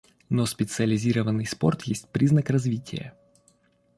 Но специализованный спорт есть признак развития.